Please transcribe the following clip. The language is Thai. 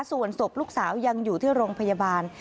ส่วนศพลูกสาวยังอยู่ที่โรงพยาบาล